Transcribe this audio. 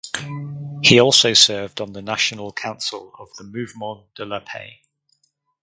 He also served on the national council of the Mouvement de la Paix.